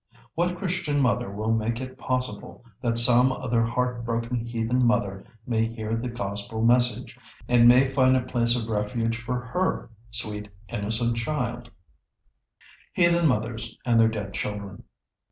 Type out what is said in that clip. What Christian mother will make it possible that some other heart broken heathen mother may hear the Gospel message, and may find a place of refuge for her sweet, innocent child? [Sidenote: Heathen mothers and their dead children.